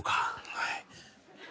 はい。